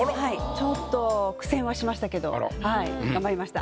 ちょっと苦戦はしましたけど頑張りました。